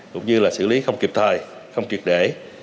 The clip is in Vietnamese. cũng như là xử lý không kịp thời không triệt để